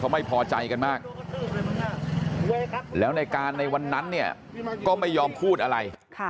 ไม่พอใจกันมากแล้วในการในวันนั้นเนี่ยก็ไม่ยอมพูดอะไร